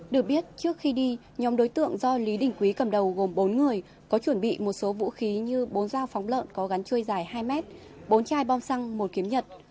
được biết trước khi đi nhóm đối tượng do lý đình quý cầm đầu gồm bốn người có chuẩn bị một số vũ khí như bốn dao phóng lợn có gắn chui dài hai m bốn chai bom xăng một kiếm nhật